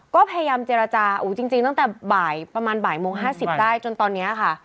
ก็พยายามเจรจาจริงตั้งแต่บ่ายประมาณบ่ายโมง๕๐ได้จนตอนนี้ค่ะ